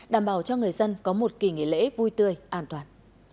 đảm bảo cho người dân có một kỳ nghỉ lễ vui tươi an toàn